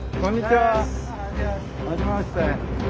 はじめまして。